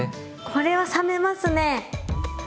これは覚めますね。